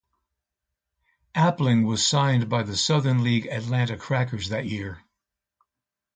Appling was signed by the Southern League Atlanta Crackers that year.